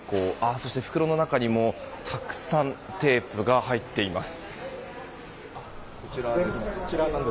そして袋の中にもたくさんテープが入っています。